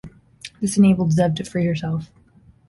This enabled Zev to free herself.